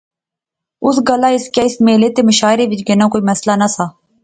اس گلاہ اس کیا اس میلے تہ مشاعرے وچ گینا کوئی مسئلہ نہسا